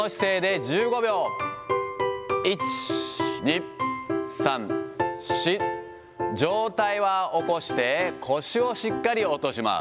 １、２、３、４、上体は起こして、腰をしっかり落とします。